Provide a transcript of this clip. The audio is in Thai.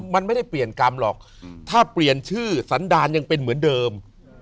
มันไม่ได้เปลี่ยนกรรมหรอกถ้าเปลี่ยนชื่อสันดารยังเป็นเหมือนเดิม